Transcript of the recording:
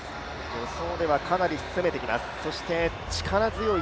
助走ではかなり攻めてきます。